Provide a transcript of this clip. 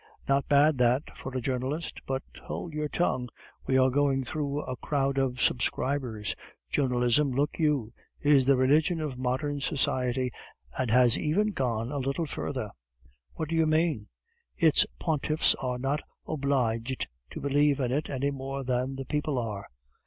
"Not bad that, for a journalist! But hold your tongue, we are going through a crowd of subscribers. Journalism, look you, is the religion of modern society, and has even gone a little further." "What do you mean?" "Its pontiffs are not obliged to believe in it any more than the people are."